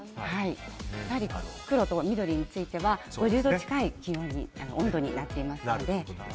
やはり黒と緑については５０度近い温度になっています。